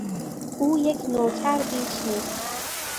او یک نوکر بیش نیست.